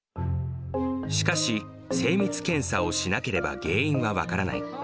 しかし、精密検査をしなければ原因は分からない。